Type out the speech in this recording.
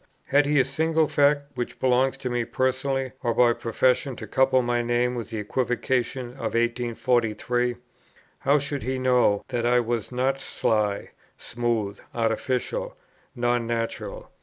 Had he a single fact which belongs to me personally or by profession to couple my name with equivocation in 1843? "How should he know" that I was not sly, smooth, artificial, non natural!